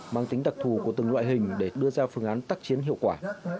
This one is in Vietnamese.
mang tính đặc thù của từng loại hình để đưa ra phương án tác chiến hiệu quả